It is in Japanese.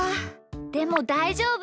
でもだいじょうぶ！